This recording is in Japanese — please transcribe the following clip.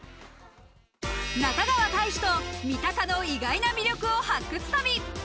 中川大志と三鷹の意外な魅力を発掘旅。